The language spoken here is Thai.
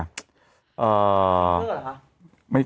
อ่า